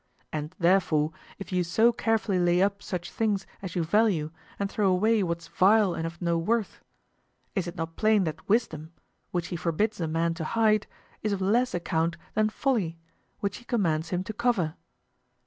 And therefore, if you so carefully lay up such things as you value and throw away what's vile and of no worth, is it not plain that wisdom, which he forbids a man to hide, is of less account than folly, which he commands him to cover?